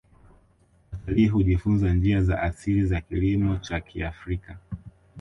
Watalii hujifunza njia za asili za kilimo cha kiafrika